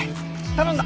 頼んだ！